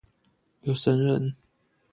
有神人